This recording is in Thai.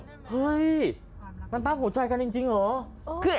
เฮ้ยมันปั๊บหัวใจกันจริงเหรอ